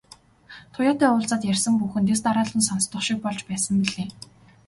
Туяатай уулзаад ярьсан бүхэн дэс дараалан сонстох шиг болж байсан билээ.